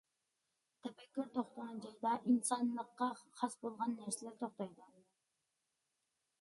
تەپەككۇر توختىغان جايدا ئىنسانىيلىققا خاس بولغان نەرسىلەر توختايدۇ.